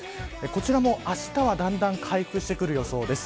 こちらもあしたはだんだん回復してくる予想です。